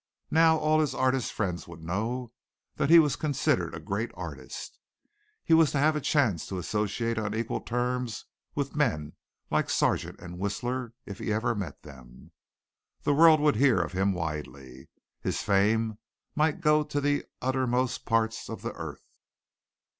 Now all his artist friends would know that he was considered a great artist; he was to have a chance to associate on equal terms with men like Sargent and Whistler if he ever met them. The world would hear of him widely. His fame might go to the uttermost parts of the earth.